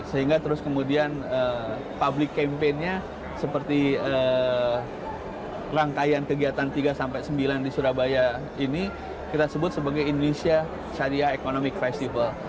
sehingga terus kemudian public campaign nya seperti rangkaian kegiatan tiga sampai sembilan di surabaya ini kita sebut sebagai indonesia syariah economic festival